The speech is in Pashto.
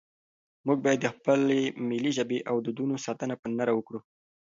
موږ باید د خپلې ملي ژبې او دودونو ساتنه په نره وکړو.